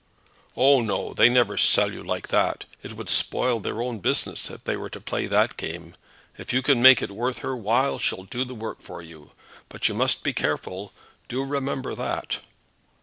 "Oh, no; they never sell you like that. It would spoil their own business if they were to play that game. If you can make it worth her while, she'll do the work for you. But you must be careful; do remember that."